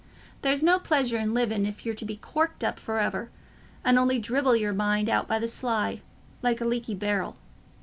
There's no pleasure i' living if you're to be corked up for ever, and only dribble your mind out by the sly, like a leaky barrel.